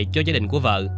cho gia đình của vợ